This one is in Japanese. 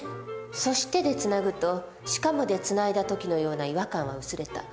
「そして」でつなぐと「しかも」でつないだ時のような違和感は薄れた。